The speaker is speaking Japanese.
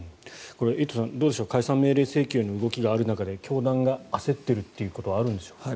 エイトさん、どうでしょう解散命令請求の動きがある中で教団が焦っているということはあるんでしょうか。